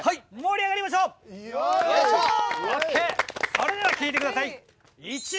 それでは聴いてください。